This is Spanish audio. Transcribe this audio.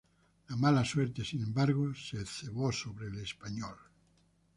La mala suerte sin embargo, se cebó sobre el español.